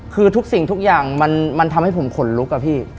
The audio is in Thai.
คือทุกสิ่งทุกอย่างมันทำให้ผมขนลุกอะพี่